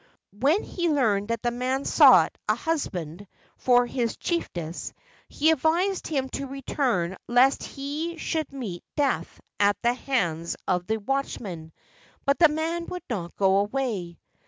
When he learned that the man sought a hus¬ band for his chiefess, he advised him to return lest he should meet death at the hands of the watchman, but the man would not go away.